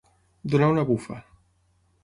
Donar una bufa.